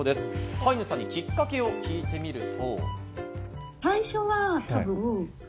飼い主さんにきっかけを聞いてみると。